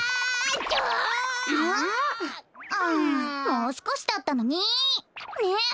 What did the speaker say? もうすこしだったのにね。